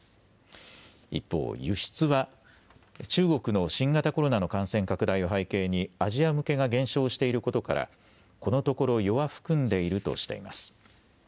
一方、輸出は中国の新型コロナの感染拡大を背景にアジア向けが減少していることからこのところ弱含んでいるとしています。